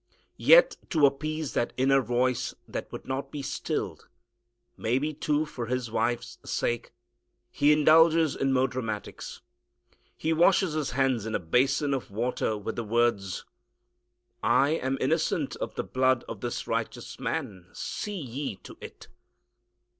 Yet to appease that inner voice that would not be stilled maybe, too, for his wife's sake, he indulges in more dramatics. He washes his hands in a basin of water, with the words, "I am innocent of the blood of this righteous man. See ye to it."